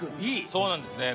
そうなんですね。